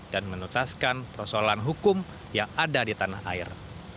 menutaskan persoalan hukum yang ada di tanah air